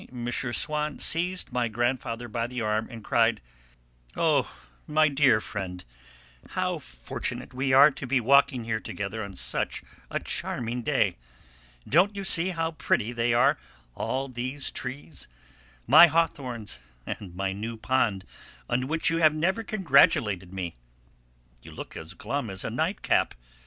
Swann seized my grandfather by the arm and cried, "Oh, my dear old friend, how fortunate we are to be walking here together on such a charming day! Don't you see how pretty they are, all these trees my hawthorns, and my new pond, on which you have never congratulated me? You look as glum as a night cap.